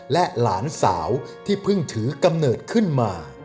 และหลานสาวที่เพิ่งถือกำเนิดขึ้นมา